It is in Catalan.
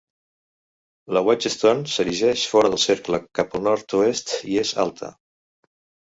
La Watch Stone s'erigeix fora del cercle cap al nord-oest i és alta.